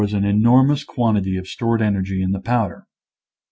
227 an enormous quantity of stored energy in the powder.